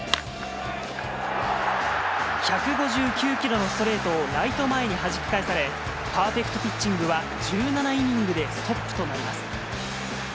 １５９キロのストレートをライト前にはじき返され、パーフェクトピッチングは、１７イニングでストップとなります。